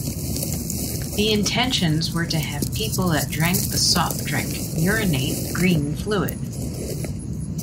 The intentions were to have people that drank the soft drink urinate green fluid.